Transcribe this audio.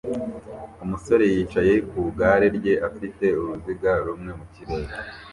Umusore yicaye ku igare rye afite uruziga rumwe mu kirere